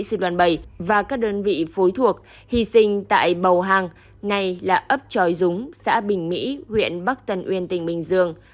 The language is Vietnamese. sư đoàn bảy và các đơn vị phối thuộc hy sinh tại bầu hàng này là ấp tròi dúng xã bình mỹ huyện bắc tân uyên tỉnh bình dương